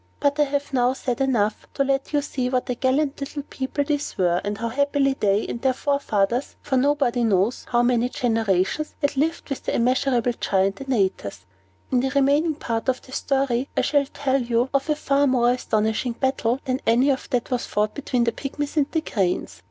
But I have now said enough to let you see what a gallant little people these were, and how happily they and their forefathers, for nobody knows how many generations, had lived with the immeasurable Giant Antaeus. In the remaining part of the story, I shall tell you of a far more astonishing battle than any that was fought between the Pygmies and the cranes.